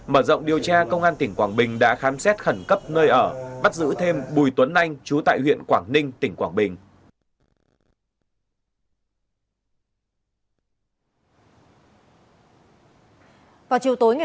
mở rộng điều tra công an tp vinh đã khám xét khẩn cấp nơi ở bắt giữ thêm bùi tuấn anh trú tại huyện quảng ninh tp vinh